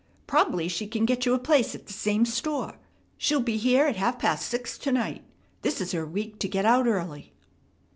Prob'ly she can get you a place at the same store. She'll be here at half past six to night. This is her week to get out early."